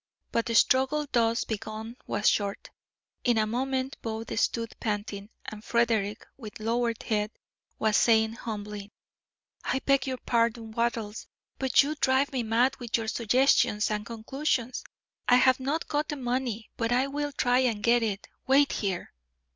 But the struggle thus begun was short. In a moment both stood panting, and Frederick, with lowered head, was saying humbly: "I beg pardon, Wattles, but you drive me mad with your suggestions and conclusions. I have not got the money, but I will try and get it. Wait here."